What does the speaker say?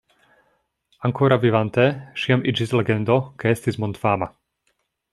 Ankoraŭ vivante ŝi jam iĝis legendo kaj estis mondfama.